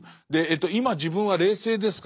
「今自分は冷静ですか？